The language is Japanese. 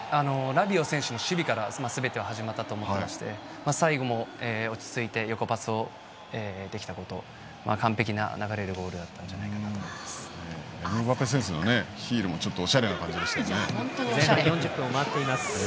ラビオ選手の守備からすべては始まったと思ってまして最後も落ち着いて横パスをできたこと、完璧な流れでゴールだったんじゃないかなヒールもちょっとおしゃれな感じでしたよね。